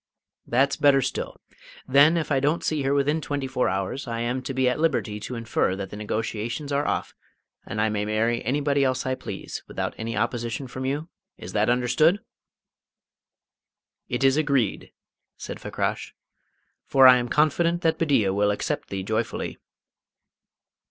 "That's better still. Then, if I don't see her within twenty four hours, I am to be at liberty to infer that the negotiations are off, and I may marry anybody else I please, without any opposition from you? Is that understood?" "It is agreed," said Fakrash, "for I am confident that Bedeea will accept thee joyfully."